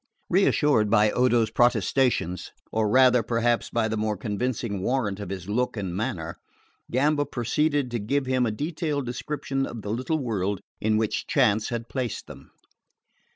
Reassured by Odo's protestations, or rather, perhaps, by the more convincing warrant of his look and manner, Gamba proceeded to give him a detailed description of the little world in which chance had placed them.